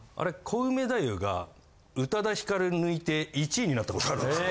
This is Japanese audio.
コウメ太夫が宇多田ヒカルぬいて１位になったことあるんです。